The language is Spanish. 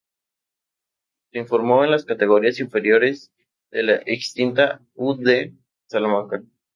Se formó en las categorías inferiores de la extinta U. D. Salamanca.